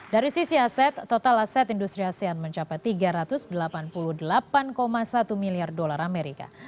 dari sisi aset total aset industri asean mencapai tiga ratus delapan puluh delapan satu miliar dolar amerika